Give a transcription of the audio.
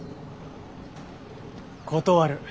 断る。